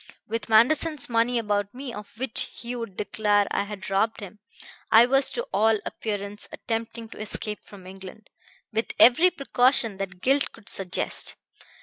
With Manderson's money about me, of which he would declare I had robbed him, I was to all appearance attempting to escape from England, with every precaution that guilt could suggest.